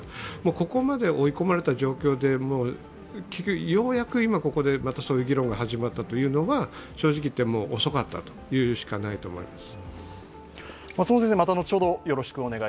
ここまで追い込まれた状況で、ようやく今ここでそういう議論が始まったのというのは正直いって、もう遅かったと言うしかないと思います。